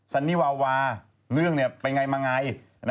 ซันนี่วาววาเรื่องเนี่ยเป็นไงมันไง